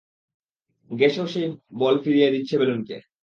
গ্যাসও সেই বল ফিরিয়ে দিচ্ছে বেলুনকে।